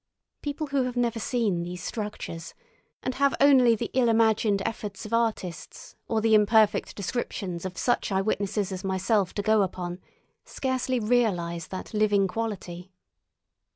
People who have never seen these structures, and have only the ill imagined efforts of artists or the imperfect descriptions of such eye witnesses as myself to go upon, scarcely realise that living quality.